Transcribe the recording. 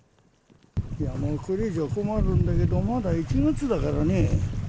いやもう、これ以上困るんだけど、まだ１月だからね。